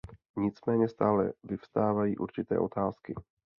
Nicméně stále vyvstávají určité otázky.